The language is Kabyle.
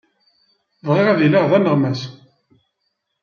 Bɣiɣ ad iliɣ d aneɣmas.